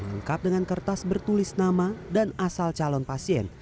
lengkap dengan kertas bertulis nama dan asal calon pasien